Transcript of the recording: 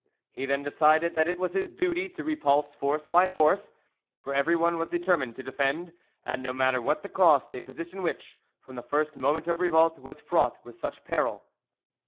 He then decided that it was his duty to repulse force by force, for everyone was determined to defend, at no matter what cost, a position which, from the first moment of revolt, was fraught with such peril.